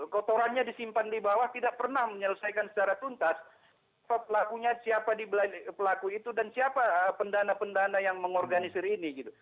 kotorannya disimpan di bawah tidak pernah menyelesaikan secara tuntas pelakunya siapa pelaku itu dan siapa pendana pendana yang mengorganisir ini gitu